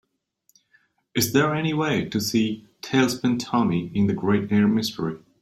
Is there any way to see Tailspin Tommy in the Great Air Mystery